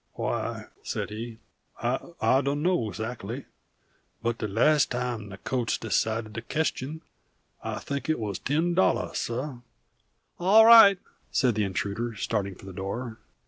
"Why," said he, "I dunno aigsactly; but the las' time the co'hts decided the question I think it was ten dollahs, suh." "All right," said the intruder, starting to the door.